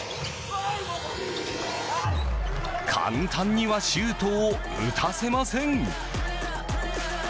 簡単にはシュートを打たせません。